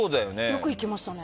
よく行きましたね？